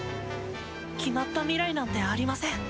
決まった未来なんてありません。